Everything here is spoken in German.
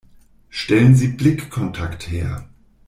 Stellen Sie Blickkontakt her.